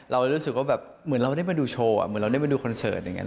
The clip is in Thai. เรารู้สึกว่าแบบเหมือนเราได้มาดูโชว์เหมือนเราได้มาดูคอนเสิร์ตอะไรอย่างนี้